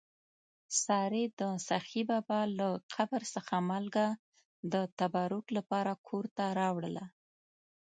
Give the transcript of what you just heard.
سارې د سخي بابا له قبر څخه مالګه د تبرک لپاره کور ته راوړله.